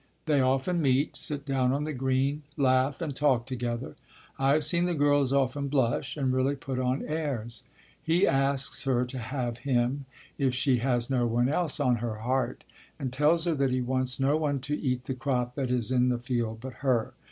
They often meet, sit down on the green, laugh and talk together. I have seen the girls often blush and really put on airs. He asks her to have him, if she has no one else on her heart, and tells her that he wants no one to eat the crop that is in the field but her.